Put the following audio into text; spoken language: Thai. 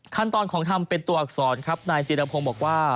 ขั้นตอนของทำเป็นตัวอักษรครับนายจิรพงศ์บอกว่า